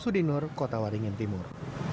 sudinur kota waringin timur